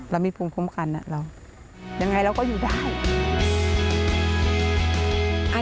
เรามีภูมิคุ้มกันเรายังไงเราก็อยู่ได้